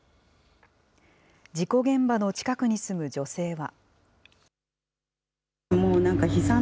事故現場の近くに住む女性は。